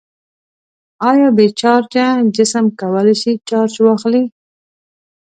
آیا بې چارجه جسم کولی شي چارج واخلي؟